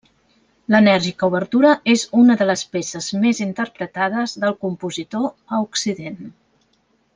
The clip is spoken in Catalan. L'enèrgica obertura és una de les peces més interpretades del compositor a Occident.